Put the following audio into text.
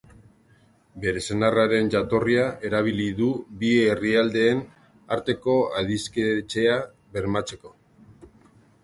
Bere senarraren jatorria erabili du bi herrialdeen arteko adiskidetzea bermatzeko.